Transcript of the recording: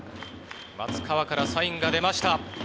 松川からサインが出ました。